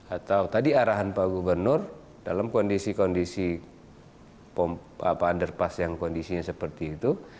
atau tadi arahan pak gubernur dalam kondisi kondisi underpass yang kondisinya seperti itu